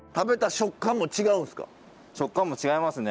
食感も違いますね